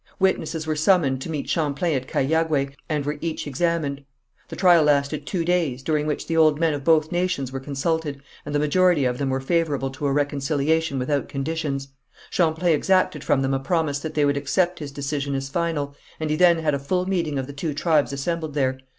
Witnesses were summoned to meet Champlain at Cahiagué, and were each examined. The trial lasted two days, during which the old men of both nations were consulted, and the majority of them were favourable to a reconciliation without conditions. Champlain exacted from them a promise that they would accept his decision as final, and he then had a full meeting of the two tribes assembled there.